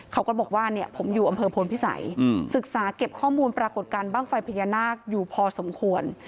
เขาก็บอกว่าเนี่ยผมอยู่อำเภอพลพิสัยศึกษาเก็บข้อมูลปรากฏการณ์บ้างไฟพญานาคอยู่พอสมควร